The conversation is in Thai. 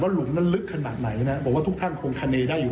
หลุมนั้นลึกขนาดไหนนะผมว่าทุกท่านคงคาเนได้อยู่